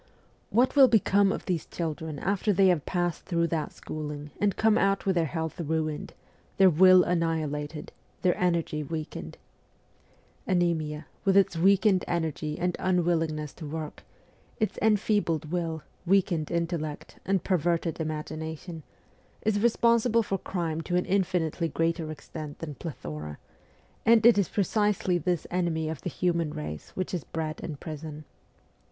What will become of these children after they have passed through that schooling and come out with their health ruined, their will annihilated, their energy weakened ? Anaemia, with its weakened energy and unwillingness to work, its enfeebled will, weakened intellect, and perverted imagination, is responsible for crime to an infinitely greater extent than plethora, and it is precisely this enemy of the human race which is bred in prison.